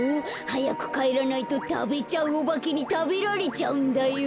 はやくかえらないとたべちゃうおばけにたべられちゃうんだよ。